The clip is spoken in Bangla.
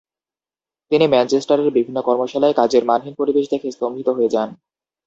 তিনি ম্যানচেস্টারের বিভিন্ন কর্মশালায় কাজের মানহীন পরিবেশ দেখে স্তম্ভিত হয়ে যান।